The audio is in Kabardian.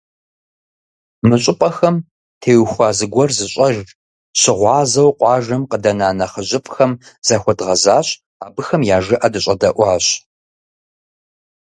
Мы щӏыпӏэхэм теухуауэ зыгуэр зыщӏэж, щыгъуазэу къуажэм къыдэна нэхъыжьыфӏхэм захуэдгъэзащ, абыхэм я жыӏэ дыщӏэдэӏуащ.